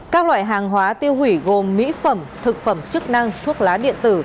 các loại hàng hóa tiêu hủy gồm mỹ phẩm thực phẩm chức năng thuốc lá điện tử